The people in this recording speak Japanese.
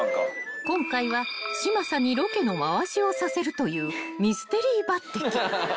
［今回は嶋佐にロケの回しをさせるというミステリー抜てき］